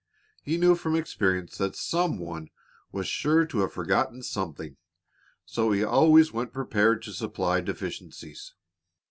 He knew from experience that some one was sure to have forgotten something, so he always went prepared to supply deficiencies.